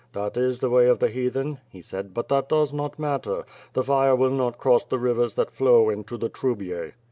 "That is the way of the Heathen," he said, "but tliat does not matter. The fire will not cross the rivers that fiow into the Trubiej."